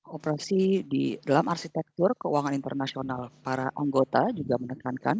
operasi di dalam arsitektur keuangan internasional para anggota juga menekankan